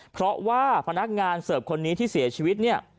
เพราะว่าพนักงานเสิร์ฟคนนี้ที่เสียชีวิตเนี่ย